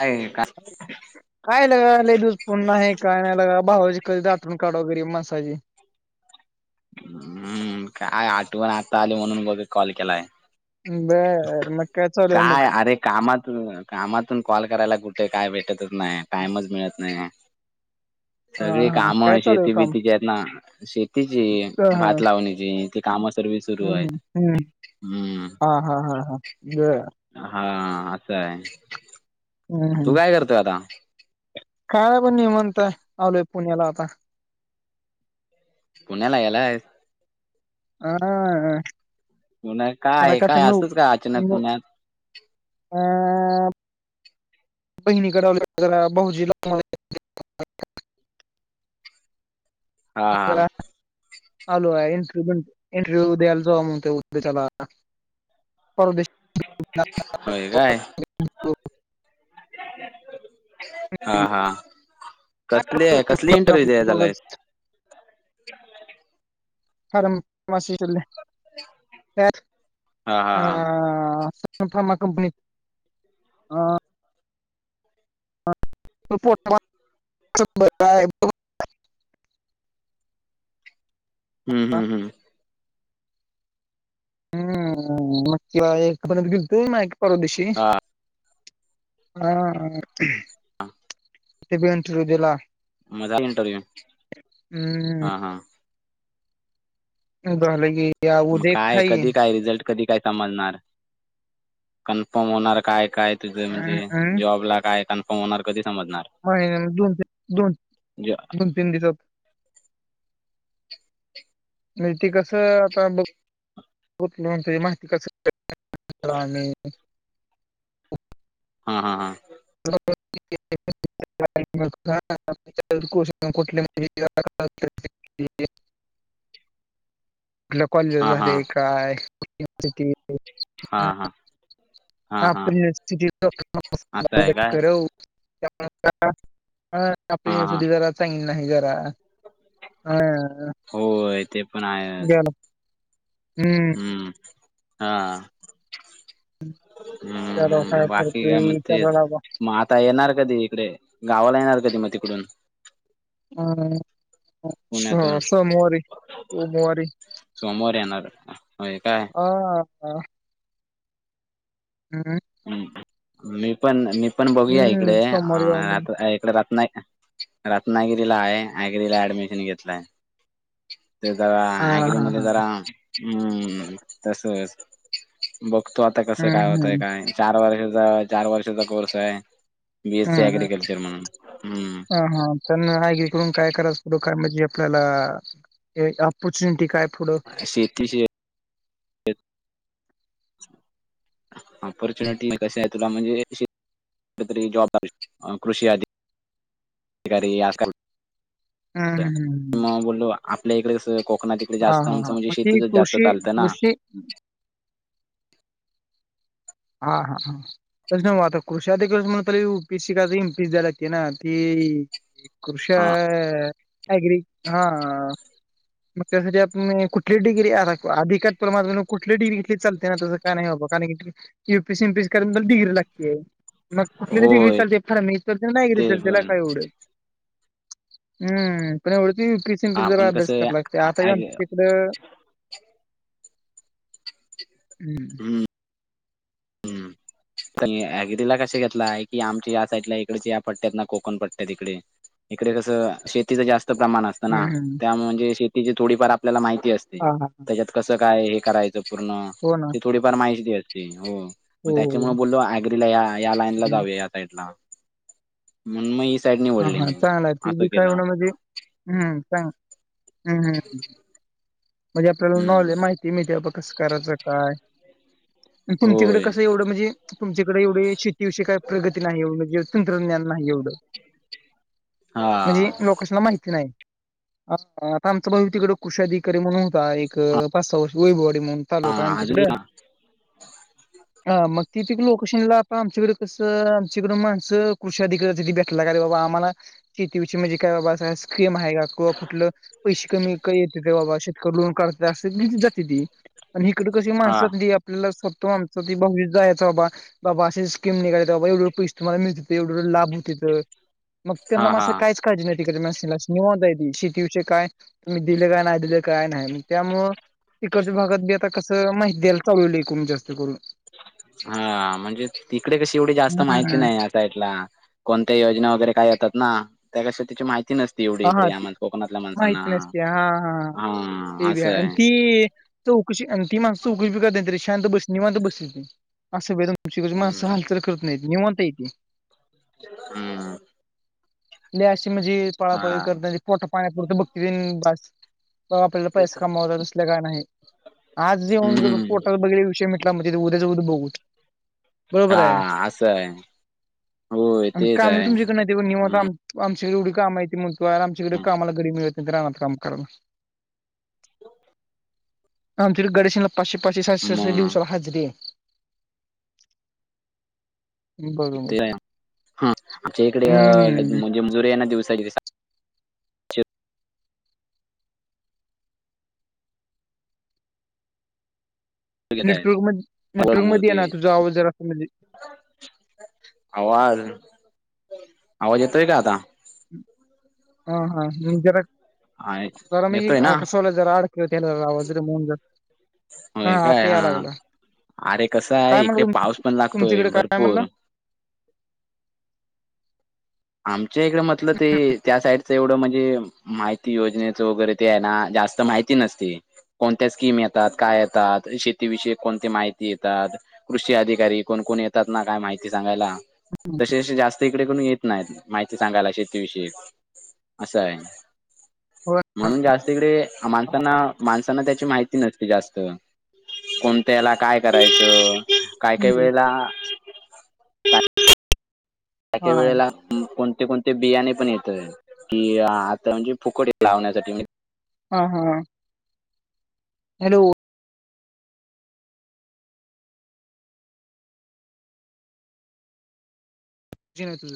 आणि काय लगा लेडीूस फोन नाही काय नाही लगा भा. कधी दाटून काढाो गरीब माणसाजची हम्म काय आठवण आता आली म्हणून बघ कॉल केलाय बर मग काय चाल मग कामातून कामातून कॉल करायला कुठे काय भेटतच नाही टाइमच मिळत नाही आहे हा सगळे हा काम काय चालू आहे शेती काम? बितीचे आहेत ना शेतीची ह हा भात लावण्याची तेे कामा सर् सुरू हम्म हम्म आहेत हम्म हम्म हा हा हा हे हा असं आहे हम्म तू हम् काय करतोय आता कायला पण नि म्हणतय आलोय पुण्याला आता पुण्याला यालाय हा पुन आता काय का तर काय नऊ असच का अचानक नो पुण्यात अ बहिणी कडवली जरा भाहजी ला हा हा लो इंटरव्हू इंटरव्ह्यू द्यायला जाऊ म्हग तेला परदे होय काय हा हा कसली आहे कसली इंटरव्हू दे त्याला तेवढंच प माशीील् ह हा हा हा फार्मा कंपनी पोट हम् हम् हम हम्म मग कि ए गेतो ना परवादेशी हा हा ते बटर दिला मग झाला इंटरव्ह्यू हम् हा हा गले की या व मग देख काय खाई कधी काय रिझल्ट कधी काय समजणार कन्फर्म होणार काय काय तुझं अं म्हणजे अं जॉबला काय कन्फर्म होणार कधी समजणार महि दोन तन दोन ज दोन तीन दिसात नाही ते कसं आता बघ बघ म्ह माहिती कस म हा हा हा [unintelligible] [inaudible] कुठ म्हज आपल्या कॉलेज हा हा झाले काय िट हा हा हा हा आप असं आहे काय हा हा सुधी जरा चग ना ह जार ह होय ते पण आहेच हम्म हम्म हा [inaudible] हम्म चलो काय -हम्म बाकी काय म करते चलो तेच [inaudible] मग आता येणार कधी इकडे गावाला येणार कधी मग तिकडून? हम्म स- पुण्यातून सोमवारी- सोमवारी सोमवारी येणार होय काय ह हा [unintelligible] हम्म हम्म मी पण- मी पण बघूया इकडे हं, सोमवारी जाऊ म्हण. अ इकडे रत रत्नागिरी ला आहे एग्री ला ऍडमिशन घेतलंय ते जरा आ, अग्री हां, मध्ये हां. जरा हम् तस [inaudible] बघतो आता कस हं, काय होतय हं, काय चार वर्षाचा - चार वर्षाचा कोर्स आहे बी एस सी हं, अग्रिकल्चर म्हणून हम्म तेन एग्रीकरून काय करायच पुढ [inaudible] काय म्हणजे आपल्याला ऑपॉर्च्युनिटी काय पुढं? शेती श [unintelligible] [inaudible] ऑपॉर्च्युनिटी -कशी आहे- तुला म्हणजेुठरी -जॉब कृषी आध [unintelligible] कि अरे आजकाल- हं, हं, मग बोललो आपल्या इकडेच कोकणात इकडे हा- जास्त हा- हा आमचं म्हणजे मग ती शेतीच जास्त कृषी चालतं ना -कृषी हा -हा- हा तस नव्ह आता कृषी अधिकारी म्हणतेलेव यूपीशी काय तर इम पीसी द्याय लागते ना ती [inaudible] कृषा एग्री [inaudible] हा मग त्यासाठी आपण कुठली डिग्री अधिकच [unintelligible] परमात््या कुठ डग्री इथली चालत्या तस काय नाही बाबा कारण की युपीएस एमपीएस कराय डिग्री लागते मग कुठली तरी डिग्री होय लागत्या फार्मसी नाहीतर ते एग्रीकल्चर त्याला पण काय एवढ हम्म पण एवढं ती यूपीएससी -एमपीसीच जरा आपण अभ्यास कसं कराय लागते आता काय ऍग आमच्या इकडं [inaudible] हम्म हम्म आणि एग्रीला कसे घेतला आहे की आमच्या या साईडला इकडे पट्ट्या आहेत ना कोकण पट्ट्यात इकडे इकडे कसं शेतीचं जास्त प्रमाण अस तना हम्म हम्म त्या म्हणजे शेतीची थोडीफार आपल्याला माहिती असते हा हा त्याच्यात कसं काय हे करायचं पूर्ण हो ना. ते थोडीफार माहिती असते हो मग हो हो त्याच्यामुळे बोललो आग्रीला या या लाईनला ला हम्म. जाऊ यात. साईड ला म्हणून‌ मग ही साईड हा निवडली हा मी चांगला आहे ते असं बी काय केलं. म्हणा म्हणजे हम्म का हम्म- हम्म -हम्म. म्हणजे आपल्याला हम्म नाॅ- माहिती मिळती कस करायचं काय? तुमच्याकडे होय कसं एवढं म्हणजे तुमच्याकडे एवढे शेतीविषयी काही प्रगती नाही म्हणजे तंत्रज्ञान नाही एवढं. हा म्हणजे लोकशला माहिती नाही. ह आता आमचा भाऊ तिकडे कुशीधिकारी म्हणून होता एक पाच सहा वर्ष वैभवाडी म्हणून तालुका आहे हा तिकडं. अजून हा मग ति पिक लोकेशनला आप आमच्याकडे कसं आमच्याकड माणसं कृषधिका [unintelligible] [unintelligible] बाबा आम्हाला शेतीविषयी म्हणजे काय बाबा अस स्क्रीम आहे का किंवा कुठलं? पैसे कमी येत ते बाबा शेतकरी लोन काढ जात [unintelligible] ती आणि इिकडं कशी हा माणसात तुला सांगतो आमचं बी भविष्य जायचंय बाबा बाबा असे स्कीम निघाल्यात एवढ -एवढ बाबा पैसे तुमला मिळते एवढ-एवढ लाभ होेतेत मग त्यांना हा म अस हा काहीच काळजी नाहीती कला निवा शेतीविषय काय? तु्ही दिले काय नाही दिले काय नाहीग. त्यामुळ इकडच्या भागात बी आता कसं माहिती द्याला चालूल एकूण जास्त करून हा म्हणजे तिकडे कशी एवढी जास्त माहिती हम्म नाही. कोणत्या योजना वगैरे काय येतात ना त्या क तची माहिती नस. हा हा हथ नसतया हा हा हा तेव असं आहे ती चौकशी अि माणस चौकशी करते तरी शां बस निव बसली असं व तुमचीकड हम्म माणस हालचाल करत नाही निवणता येते. हम्म. ल अशी म्हणजे पळापळी हा करत पोट पाण्यापुरत बघती बास ब आपल्याला पैसा कमावतात तस काय नाही आज येऊन ज हम्म पोटात बघितले विषय म ते उद्याच उद्या बघूच. बरोबर आहे हा असं आहे होय आणि तेच कामी आहे तुमच्याकडन ते नि हम्म काम आमच्याकडे एवढे कामा यय म्हण तुर आमच्याकडे कामाला गरी मिळत राना काम करणं. आमच्यारी गडेशला पाचशे पाचशे सातशे साते मग दिवसाला हजरीे आहे. [unintelligible] बघ मग ते हा आमच्या इकडे अ हम्म म्हणजे मजुरी आहे ना दिवसाची सातशे रुपये घेत आहेत नेटवर्क म नेटवर्क समोर मध्ये ये ते ना तुझा आवाज जरा अस म्हणजे आवाज आवाज येतोय कायता हा हा जरा आ येतोय म ना कसोला जरा आड कळतवज मुन जरा हा होय काय आता याय लागलं अरे कसं आहे काय इकडे म्हणलं पाऊस पण लागतोय तुमच्याकडे काय म्हणलं. भरपूर. आमच्या इकडे म्हटलं ते त्या साईड एवढं म्हणजे माहिती योजनेचं वगैरे ते आहे ना जास्त माहिती नसती. कोणत्या स्कीम येतात काय येतात शेतीविषयी कोणती माहिती येतात. कृषी अधिकारी कोण कोण येतात ना काय माहिती सांगायला तसे जास्त इकडे कोून येत. नाही माहिती सांगायला शेतीविषयी असं आहे. हो म्हणून जास्तकडे माणसांना माणसांना त्याची माहिती नसते जास्त कोणत्याला काय करायचं काय काही हम्म वेळेला त्याका हा वेळेला कोणते कोणते बियाणे पण येत कि आता म्हणजे फुकोडी लावण्यासाठी हा हा हॅलो जन तुझ